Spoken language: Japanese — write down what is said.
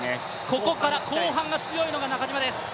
ここから後半が強いのが中島です。